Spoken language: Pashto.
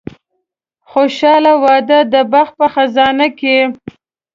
خوشاله واده د بخت په خزانه کې.